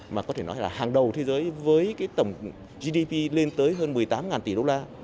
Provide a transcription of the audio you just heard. mà có thể nói là hàng đầu thế giới với cái tổng gdp lên tới hơn một mươi tám tỷ đô la